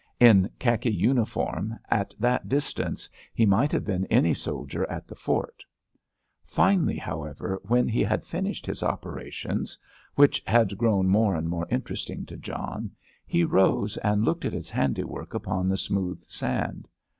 In khaki uniform, at that distance, he might have been any soldier at the fort. Finally, however, when he had finished his operations, which had grown more and more interesting to John, he rose and looked at his handiwork upon the smooth sand.